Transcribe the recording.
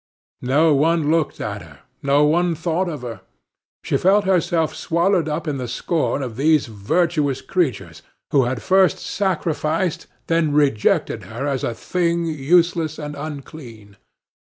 No one looked at her, no one thought of her. She felt herself swallowed up in the scorn of these virtuous creatures, who had first sacrificed, then rejected her as a thing useless and unclean.